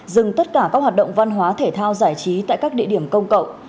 dừng tất cả các hoạt động văn hóa thể thao giải trí tại các địa điểm công cộng